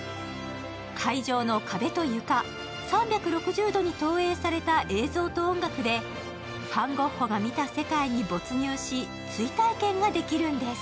会場の壁と床、３６０度に投影された映像と音楽でファン・ゴッホが見た世界に没入し追体験ができるんです。